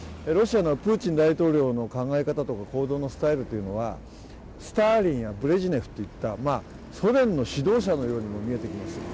ロシアのプーチン大統領の考え方とか行動のスタイルというのはスターリンやブレジネフといったソ連の指導者のようにも見えてきます。